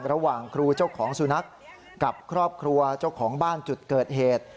ระหว่างครูเจ้าของสุนัขกับครอบครัวเจ้าของบ้านจุดเกิดเหตุ